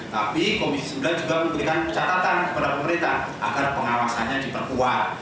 tapi komisi sembilan juga memberikan catatan kepada pemerintah agar pengawasannya diperkuat